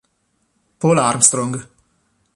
Paul Armstrong